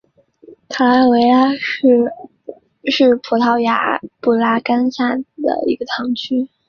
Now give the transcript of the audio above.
卡拉韦拉什是葡萄牙布拉干萨区的一个堂区。